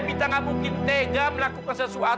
mira nggak mungkin melupakan mama